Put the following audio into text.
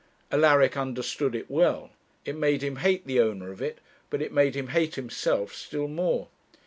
Alaric understood it well; it made him hate the owner of it, but it made him hate himself still more.